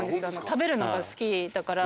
食べるのが好きだから。